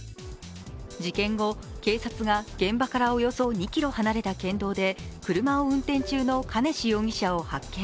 事件後、警察が現場からおよそ２ｋｍ離れた県道で車を運転中の兼次容疑者を発見。